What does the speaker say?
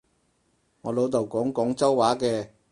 我老豆講廣州話嘅